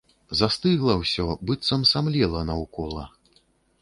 Застыгла ўсё, быццам самлела наўкола.